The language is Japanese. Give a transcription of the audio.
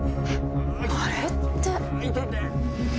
あれって。